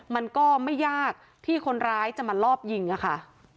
มันก็ไม่ยากที่คนร้ายจะมาลอบยิงอะค่ะ